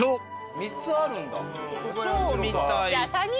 ３つあるんだ。